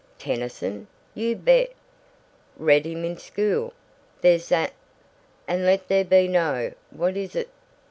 "Tennyson? You bet. Read him in school. There's that: And let there be no (what is it?)